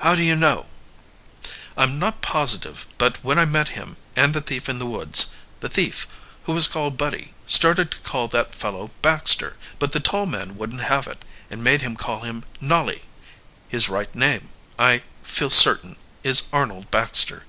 "How do you know?" "I'm not positive, but when I met him and the thief in the woods, the thief, who was called Buddy, started to call that fellow Baxter, but the tall man wouldn't have it, and made him call him Nolly. His right name, I feel certain, is Arnold Baxter."